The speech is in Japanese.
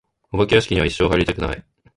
お化け屋敷には一生入りたくない。